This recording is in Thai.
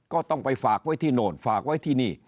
ก็ต้องไปฝากไว้ที่โน่นฝากไว้ที่นี่